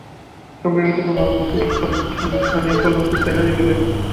সাম্প্রদায়িকতা মানবগোষ্ঠীর ভিতর পারস্পরিক সংঘর্ষ আনিয়া কল্যাণশক্তি হারাইয়া ফেলে।